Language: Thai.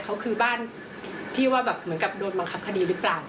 เขาคือบ้านที่ว่าแบบเหมือนกับโดนบังคับคดีหรือเปล่า